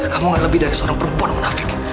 kamu nggak lebih dari seorang perempuan mona fik